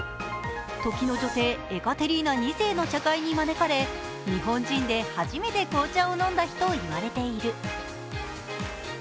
時の女帝、エカテリーナ２世の茶会に招かれ、日本人で初めて紅茶を飲んだ日と言われている。